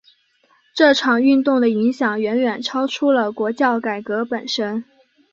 这场运动的影响远远超出了国教改革本身。